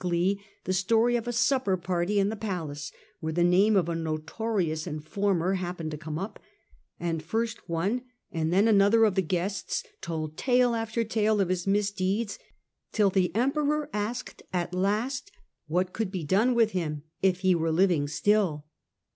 glee the story of a supper party in the palace, where the name of a notorious informer happened to come up, and first one and then another of the guests told tale after tale of his misdeeds, till the Emperor asked at last what could be done with him if he were living still.